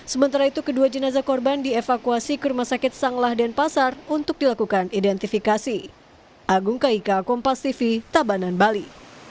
sementara itu kedua jenazah korban dievakuasi ke rumah sakit sanglah denpasar untuk dilakukan identifikasi